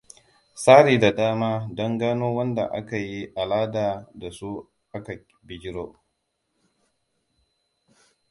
tsari da dama dan gano wanda aka yi alaka dasu aka bijiro.